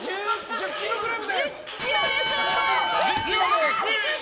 １０ｋｇです！